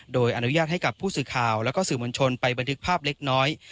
โดยอนุญาตให้กับผู้สื่อข่าวแล้วก็สื่อมวลชนไปบันทึกภาพเล็กน้อย